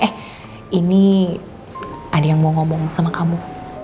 eh ini ada yang mau ngomong sama kamu